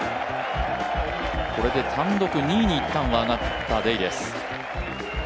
これで単独２位にいったんは上がったデイです。